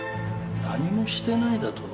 何もしてないだと？